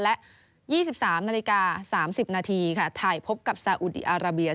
และ๒๓นาฬิกา๓๐นาทีค่ะไทยพบกับซาอุดีอาราเบีย